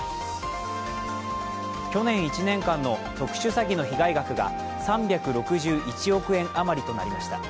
去年１年間の特殊詐欺の被害額が３６１億円余りとなりました。